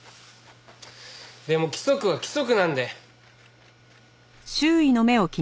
でも規則は規則なんで。